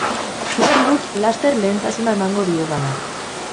Uste dut laster lehentasuna emango diodala.